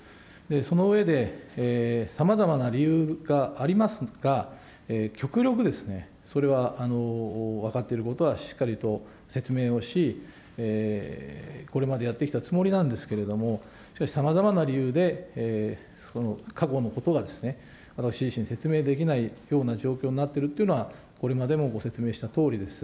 その上でさまざまな理由がありますが、極力、それは分かっていることはしっかりと説明をし、これまでやってきたつもりなんですけど、しかし、さまざまな理由で過去のことは私自身、説明できないような状況になっているということはこれまでもご説明したとおりです。